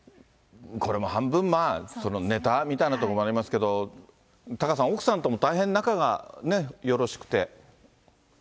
これも半分、まあ、ネタみたいなところもありますけど、タカさん、奥さんとも大変仲がよろしくて。